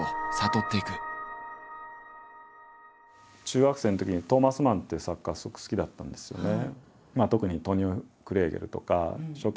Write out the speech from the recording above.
中学生のときにトオマス・マンっていう作家がすごく好きだったんですよね。